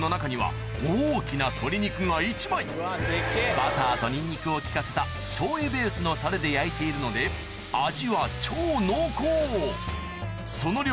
・実はバターとにんにくを利かせたしょうゆベースのタレで焼いているので味は超濃厚その量